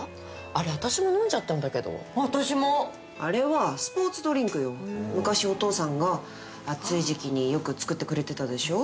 あれ私も飲んじゃったんだけど私もあれは昔お父さんが暑い時期によく作ってくれてたでしょ？